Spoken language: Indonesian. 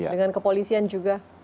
dengan kepolisian juga